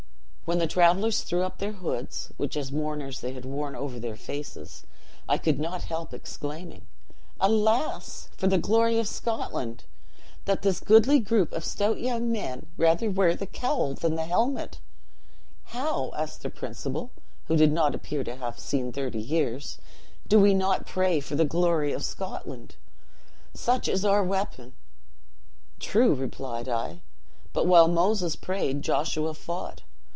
"When the travelers threw up their hoods, which as mourners they had worn over their faces, I could not help exclaiming, 'Alas, for the glory of Scotland, that this goodly group of stout young men rather wear the cowl than the helmet!' 'How!' asked their principal (who did not appear to have seen thirty years), 'do we not pray for the glory of Scotland? Such is our weapon.' 'True,' replied I, 'but while Moses prayed Joshua fought.